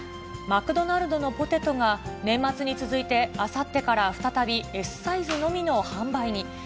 マクドナルドのポテトが、年末に続いてあさってから再びＳサイズのみの販売に。